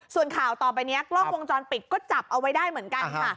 ส่วนข่าวต่อไปนี้กล้องวงจรปิดก็จับเอาไว้ได้เหมือนกันค่ะ